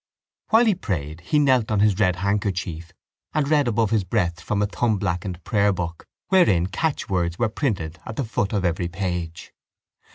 While he prayed he knelt on his red handkerchief and read above his breath from a thumb blackened prayerbook wherein catchwords were printed at the foot of every page.